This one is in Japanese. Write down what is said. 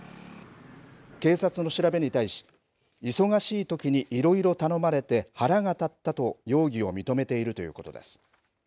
警察の調べに対し忙しいときにいろいろ頼まれて腹が立ったと容疑を認めているということです。